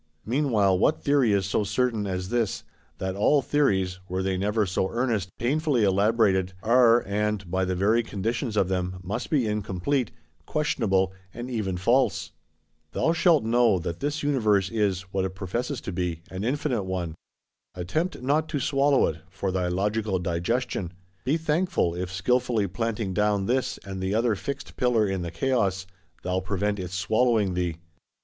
Meanwhile, what theory is so certain as this, That all theories, were they never so earnest, painfully elaborated, are, and, by the very conditions of them, must be incomplete, questionable, and even false? Thou shalt know that this Universe is, what it professes to be, an infinite one. Attempt not to swallow it, for thy logical digestion; be thankful, if skilfully planting down this and the other fixed pillar in the chaos, thou prevent its swallowing thee.